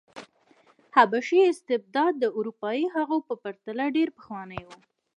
حبشي استبداد د اروپايي هغو په پرتله ډېر پخوانی و.